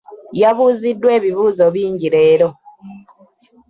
Yabuuziddwa ebibuuzo bingi leero.